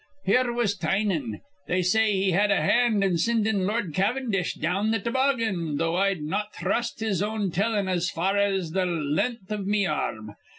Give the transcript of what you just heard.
Here was Tynan. They say he had a hand in sindin' Lord Cavendish down th' toboggan, though I'd not thrust his own tellin' as far as th' len'th iv me ar rm.